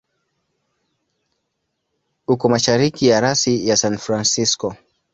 Uko mashariki ya rasi ya San Francisco.